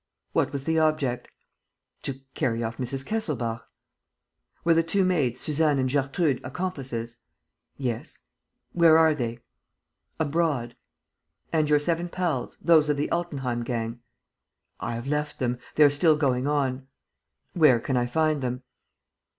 "What was the object?" "To carry off Mrs. Kesselbach." "Were the two maids, Suzanne and Gertrude, accomplices?" "Yes." "Where are they?" "Abroad." "And your seven pals, those of the Altenheim gang?" "I have left them. They are still going on." "Where can I find them?"